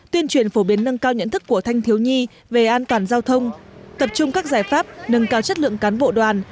tuyên truyền phổ biến nâng cao nhận thức của thanh thiếu nhi về an toàn giao thông tập trung các giải pháp nâng cao chất lượng cán bộ đoàn